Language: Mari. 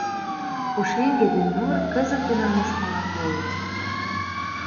Пушеҥге ден нур кызыт гына мушмыла койыч.